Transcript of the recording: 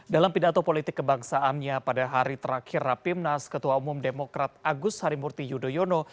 dalam pidato politik kebangsaannya pada hari terakhir rapimnas ketua umum demokrat agus harimurti yudhoyono